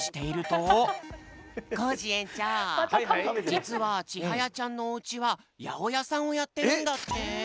じつはちはやちゃんのおうちはやおやさんをやってるんだって。